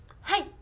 はい。